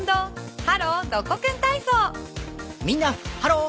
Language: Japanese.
みんなハロー！